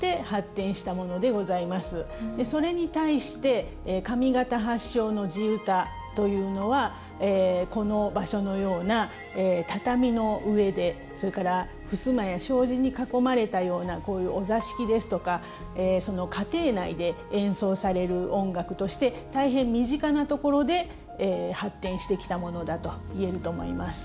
それに対して上方発祥の地唄というのはこの場所のような畳の上でそれからふすまや障子に囲まれたようなこういうお座敷ですとかその家庭内で演奏される音楽として大変身近なところで発展してきたものだと言えると思います。